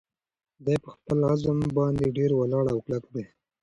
دی په خپل عزم باندې ډېر ولاړ او کلک دی.